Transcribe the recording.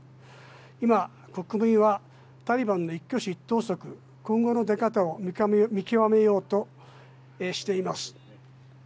今、国民はタリバンの一挙手一投足今後の出方を見極めようとしています。